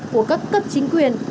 của các cấp chính quyền